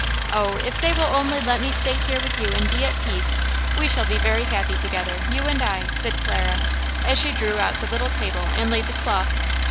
Oh! if they will only let me stay here with you and be at peace, we shall be very happy together, you and I!" said Clara, as she drew out the little table and laid the cloth.